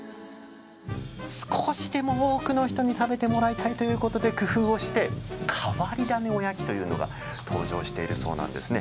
少しでも多くの人に食べてもらいたいということで工夫をして変わり種おやきというのが登場しているそうなんですね。